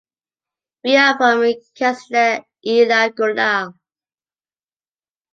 We are from Castellet i la Gornal.